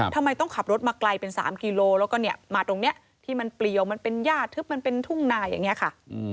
ทำไมต้องขับรถมาไกลเป็นสามกิโลกี่แล้วมาตรงนี้ที่เป็นปลิวมันเป็นหญ้าเป็นถุงนายอย่างนี้ค่ะ